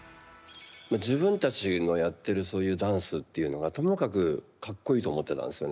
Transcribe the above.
自分たちのやってるそういうダンスっていうのがともかくかっこいいと思ってたんですよね。